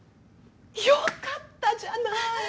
よかったじゃない！